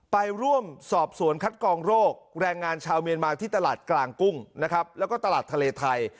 ไปร่วมสอบสวนคัดกองโรคแรงงานชาวเมียนมาที่ตลาดกลางกุ้งนะครับแล้วก็ตลาดทะเลไทย